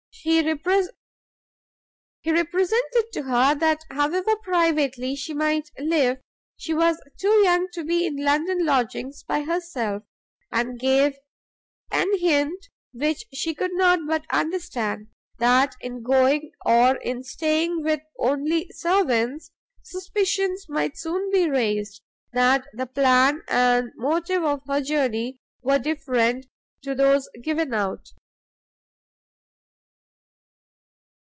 He represented to her that, however privately she might live, she was too young to be in London lodgings by herself, and gave an hint which she could not but understand, that in going or in staying with only servants, suspicions might soon be raised, that the plan and motive of her journey were different to those given out.